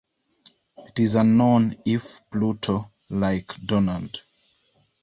It is unknown if Pluto like Donald.